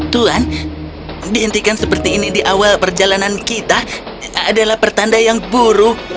tuhan dihentikan seperti ini di awal perjalanan kita adalah pertanda yang buruk